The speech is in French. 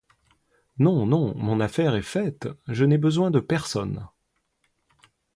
Non, non, mon affaire est faite, je n'ai besoin de personne.